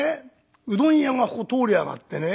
うどん屋がここ通りやがってね。